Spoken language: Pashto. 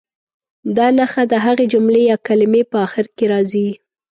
دا نښه د هغې جملې یا کلمې په اخر کې راځي.